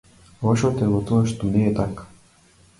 Лошото е во тоа што не е така.